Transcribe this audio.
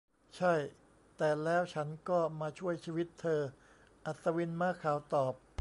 'ใช่ แต่แล้วฉันก็มาช่วยชีวิตเธอ !' อัศวินม้าขาวตอบ